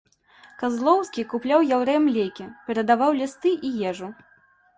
Казлоўскі купляў яўрэям лекі, перадаваў лісты і ежу.